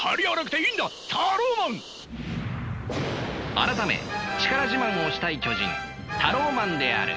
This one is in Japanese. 改め力自慢をしたい巨人タローマンである。